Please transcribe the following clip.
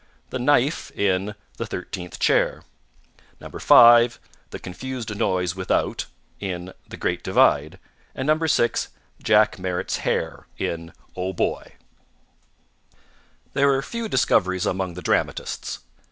The knife in The Thirteenth Chair. 5. The Confused Noise Without in The Great Divide. 6. Jack Merritt's hair in Oh, Boy! There were few discoveries among the dramatists.